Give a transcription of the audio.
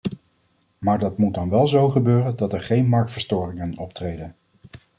Maar dat moet dan wel zo gebeuren dat er geen marktverstoringen optreden.